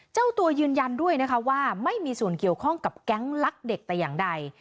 เจ้าตัวยืนยันด้วยนะคะว่าไม่มีส่วนเกี่ยวข้องกับแก๊งลักเด็กแต่อย่างใด